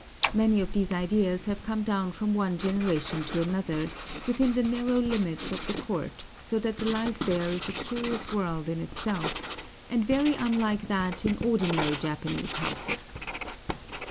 Many of these ideas have come down from one generation to another, within the narrow limits of the court, so that the life there is a curious world in itself, and very unlike that in ordinary Japanese homes.